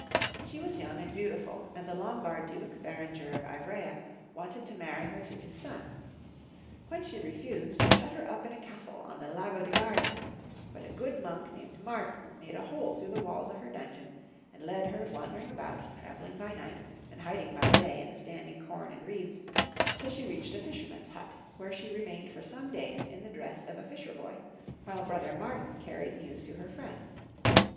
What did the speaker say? She was young and beautiful, and the Lombard duke, Berenger of Iv rea, wanted to marry her to his son. When she re fused, he shut her up in a castle on the Lago di Grarda; but a good monk named Martin made a hole through the walls of her dungeon, and led her wandering about, traveling by night, and hiduig by day hi the standing com and reeds, till she reached a fisherman's hut, where she remained for 90 Young Folk»' Htstort/ of Germany. some days in the dress of a fisher boy, while Brother Martin carried news to her friends.